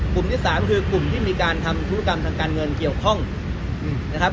กลุ่มที่สามคือกลุ่มที่มีการทำธุรกรรมทางการเงินเกี่ยวข้องนะครับ